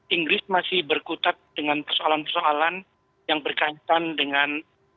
inggris masih berkutat dengan persoalan persoalan yang berkaitan dengan